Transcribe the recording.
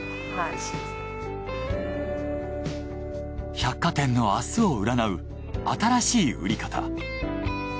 百貨店の明日を占う新しい売り方。